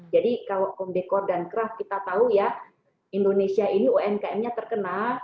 jadi kalau home decor dan craft kita tahu ya indonesia ini umkm nya terkena